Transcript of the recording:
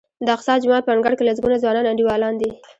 د اقصی جومات په انګړ کې لسګونه ځوانان انډیوالان دي.